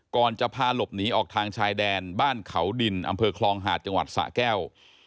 ก่อนจะพาหลบหนีออกทางชายแดนบ้านเขาดินอำเภอคลองหาดจังหวัดสะแก้ว